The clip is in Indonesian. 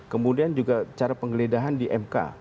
kemudian juga cara penggeledahan di mk